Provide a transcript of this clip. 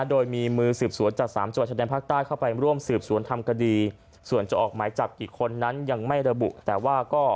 โดยมีมือสืบสวนจากสามจังหวัดชะแดนภาคใต้เข้าไปร่วมสืบสวนทำคดีส่วนจะออกหมายจับกี่คนนั้นยังไม่ระบุแต่ว่าก็